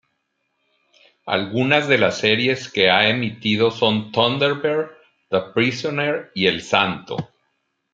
Algunas de las series que ha emitido son "Thunderbirds", "The Prisoner" y "El Santo".